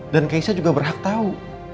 dan keisha juga berhak tahu